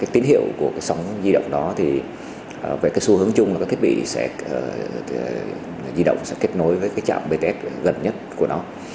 tín hiệu của sóng di động đó về xu hướng chung các thiết bị di động sẽ kết nối với trạm bts gần nhất của nó